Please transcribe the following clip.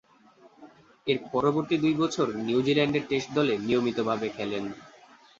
এরপর পরবর্তী দুই বছর নিউজিল্যান্ডের টেস্ট দলে নিয়মিতভাবে খেলেন।